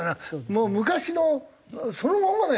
もう昔のそのまんまだよね。